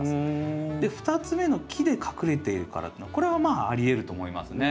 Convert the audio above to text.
２つ目の木で隠れているからっていうのこれはありえると思いますね。